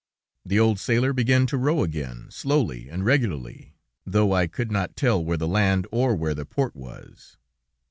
The old sailor began to row again, slowly and regularly, though I could not tell where the land or where the port was.